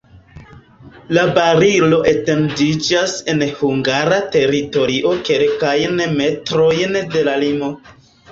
La barilo etendiĝas en hungara teritorio kelkajn metrojn de la limo.